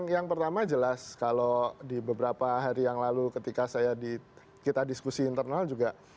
yang pertama jelas kalau di beberapa hari yang lalu ketika saya di kita diskusi internal juga